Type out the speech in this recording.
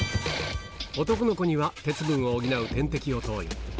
男の子には鉄分を補う点滴を投与。